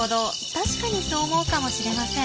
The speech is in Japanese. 確かにそう思うかもしれません。